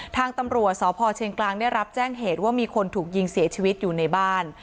ทางตำรวจสพเชียงกลางได้รับแจ้งเหตุว่ามีคนถูกยิงเสียชีวิตอยู่ในบ้าน